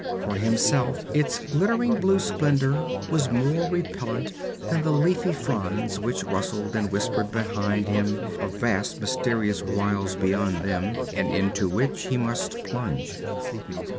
For himself, its glittering blue splendor was more repellent than the leafy fronds which rustled and whispered behind him of vast mysterious wilds beyond them, and into which he must plunge.